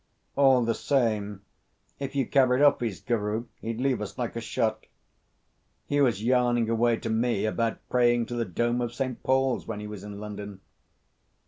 "All the same, if you carried off his guru he'd leave us like a shot. He was yarning away to me about praying to the dome of St. Paul's when he was in London."